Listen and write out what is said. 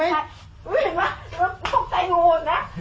เฮ้ยเห็นไหมมันตกใจโหดนะ